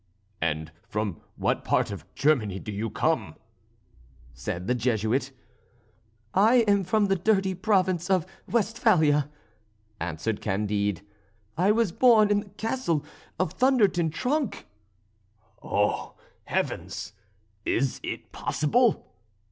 "And from what part of Germany do you come?" said the Jesuit. "I am from the dirty province of Westphalia," answered Candide; "I was born in the Castle of Thunder ten Tronckh." "Oh! Heavens! is it possible?"